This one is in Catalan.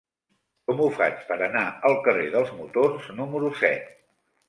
Com ho faig per anar al carrer dels Motors número set?